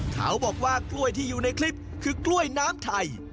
เขาบอกว่ากล้วยที่อยู่ในคลิปคือกล้วยน้ำไทย